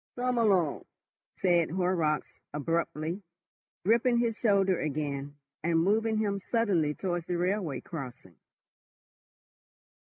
"Come along," said Horrocks abruptly, gripping his shoulder again, and moving him suddenly towards the railway crossing.